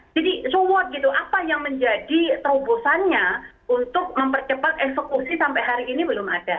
jadi so what gitu apa yang menjadi terobosannya untuk mempercepat eksekusi sampai hari ini belum ada